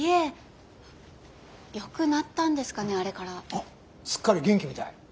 ああすっかり元気みたい。